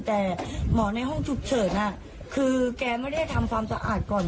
แต่หมอในห้องฉุกเฉินคือแกไม่ได้ทำความสะอาดก่อน